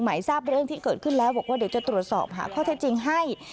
ทราบเรื่องที่เกิดขึ้นแล้วบอกว่าเดี๋ยวจะตรวจสอบหาข้อเท็จจริงให้